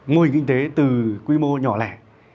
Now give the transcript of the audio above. mô hình kinh tế từ quy mô nhỏ lẻ